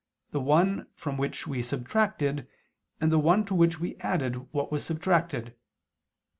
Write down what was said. the one from which we subtracted and the one to which we added what was subtracted.